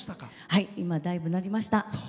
はい、今だいぶなりました。